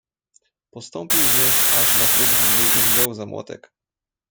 "Postąpił więc aż na próg drzwi i wziął za młotek."